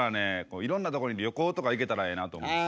いろんな所に旅行とか行けたらええなと思います。